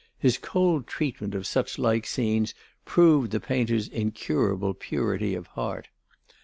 His cold treatment of such like scenes proved the painter's incurable purity of heart.